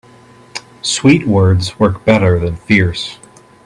Sweet words work better than fierce.